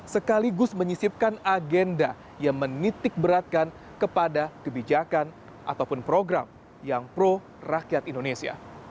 sekaligus menyisipkan agenda yang menitik beratkan kepada kebijakan ataupun program yang pro rakyat indonesia